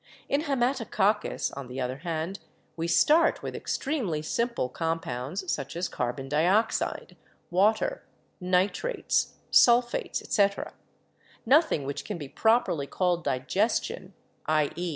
In Haematococcus, on the other hand, we start with extremely simple com pounds, such as carbon dioxide, water, nitrates, sulphates, etc. Nothing which can be properly called digestion — i.e.